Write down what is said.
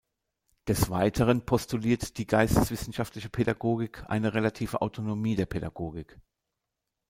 Des Weiteren postuliert die Geisteswissenschaftliche Pädagogik eine "relative Autonomie" der Pädagogik.